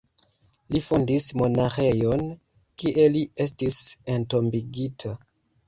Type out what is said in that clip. Li fondis monaĥejon, kie li estis entombigita.